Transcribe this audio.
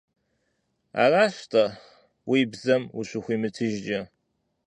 Аращ-тӀэ, уи бзэм ущыхуимытыжкӀэ.